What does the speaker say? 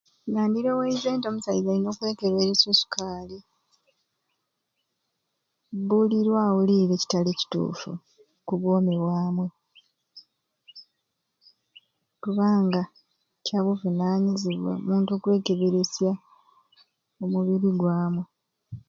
Nandiroweize nti omusaiza ayina okwekeberesya osukali buli lwawuliire ekitali kitufu ku bwomi bwamwei kubanga kyabuvunanyizibwa omuntu okwekeberesya omubiri gwamwei